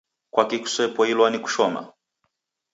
Kwaki kusepoilwa ni kushoma?